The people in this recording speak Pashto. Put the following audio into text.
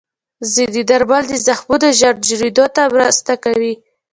ځینې درمل د زخمونو ژر جوړېدو ته مرسته کوي.